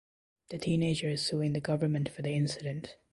The teenager is suing the government for the incident.